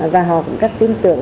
và họ cũng rất tin tưởng